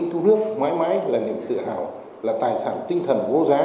thu nước mãi mãi là niềm tự hào là tài sản tinh thần vô giá